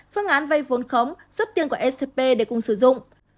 phương án vai vốn khống rút tiền của scp để cùng sử dụng